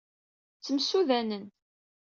Ttemsudanen.